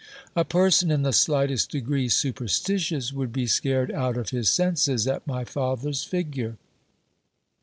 A person in the slightest degree superstitious would SCIPIO'S STORY. 365 be scared out of his senses at my father's figure.